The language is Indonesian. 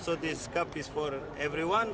jadi ini adalah cupu untuk semua orang